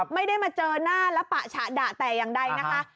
ไม่ได้มาเจอหน้าและปะฉะดะแต่อย่างใดนะคะ